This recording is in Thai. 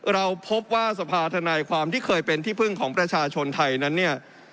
เราพบว่าสภาธนายความที่เคยเป็นที่พึ่งของประชาชนไทยนั้นเนี่ย